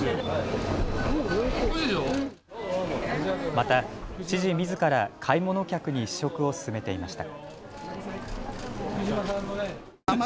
また知事みずから買い物客に試食を勧めていました。